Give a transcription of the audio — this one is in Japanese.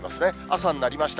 朝になりました。